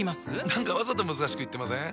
何かわざと難しく言ってません？